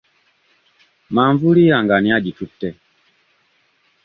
Manvuuli yange ani agitutte?